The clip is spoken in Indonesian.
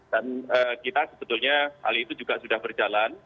dan kita sebetulnya hal itu juga sudah berjalan